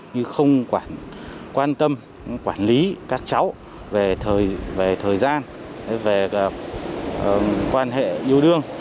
như không quản quan tâm quản lý các cháu về thời gian về quan hệ yêu đương